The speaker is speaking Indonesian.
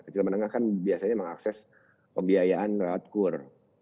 kecil menengah kan biasanya mengakses pembiayaan lewat kur